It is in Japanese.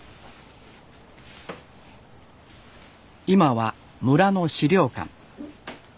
今は村の資料館。